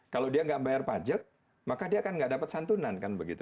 kalau dia nggak bayar pajak maka dia akan nggak dapat santunan kan begitu